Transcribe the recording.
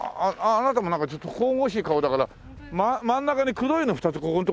あなたもなんかちょっと神々しい顔だから真ん中に黒いの２つここのとこに書いてほしいな。